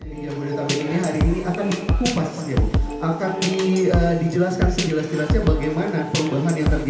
jadi yang sudah tampilinnya hari ini akan dikupas akan dijelaskan sejelas jelasnya bagaimana perubahan yang terjadi